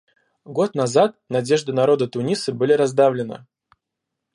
Год назад надежды народа Туниса были раздавлены.